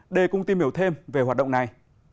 để cùng tìm hiểu thêm về hoạt động này